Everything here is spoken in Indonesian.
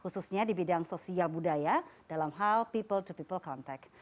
khususnya di bidang sosial budaya dalam hal people to people contact